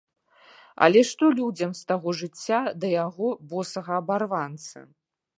Але што людзям з таго жыцця да яго, босага абарванца?!